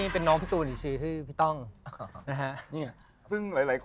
ขออนุญาตนะครับ